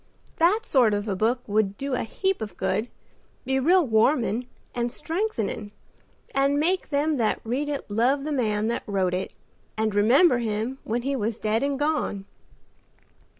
That sort of a book would do a heap of good; be real warmin' and strengthening and make them that read it love the man that wrote it, and remember him when he was dead and gone."